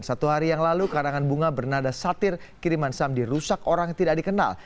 satu hari yang lalu karangan bunga bernada satir kiriman sam dirusak orang tidak dikenal